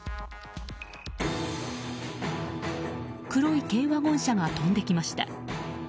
黒い軽ワゴン車が飛んできました。